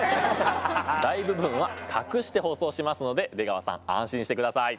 大部分は隠して放送しますので出川さん安心してください。